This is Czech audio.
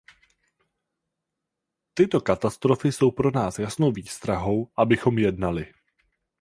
Tyto katastrofy jsou pro nás jasnou výstrahou, abychom jednali.